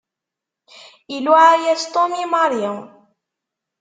Iluɛa-yas Tom i Mary.